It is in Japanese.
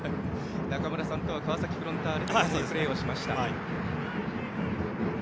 中村さんとは川崎フロンターレでともにプレーをしました。